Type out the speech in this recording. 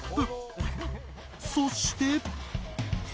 そして